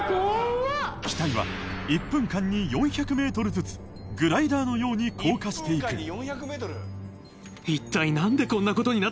機体は１分間に４００ｍずつグライダーのように降下していく